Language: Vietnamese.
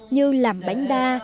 như làm bánh đa